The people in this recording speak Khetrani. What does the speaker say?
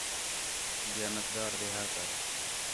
دیانت دار رِیہا کر